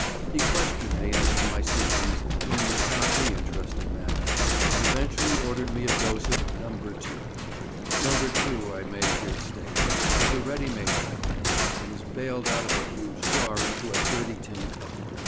He questioned me as to my symptoms in an apparently interested manner, and eventually ordered me a dose of "No. 2." No. 2, I may here state, is a ready made article, and is baled out of a huge jar into a dirty tin cup.